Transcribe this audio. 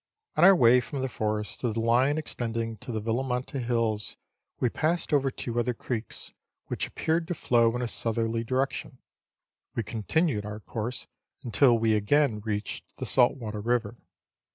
On our way from the forest to the line extending to the Villamanata Hills, we passed over two other creeks, which appeared to flow in a southerly direction ; we continued our course until Ave again reached the Saltwater River.